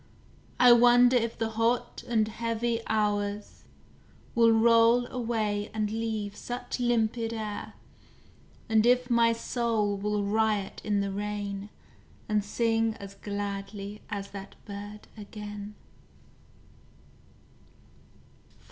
I wonder if the hot and heavy hours Will roll away and leave such limpid air, And if my soul will riot in the rain, And sing as gladly as that bird again?